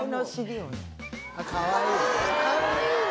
かわいいね。